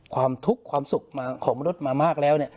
ความทุกข์ความสุขของมนุษย์มามากแล้วเนี่ย